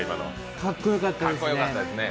かっこよかったですね。